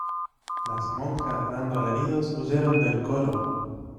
las monjas, dando alaridos , huyeron del coro.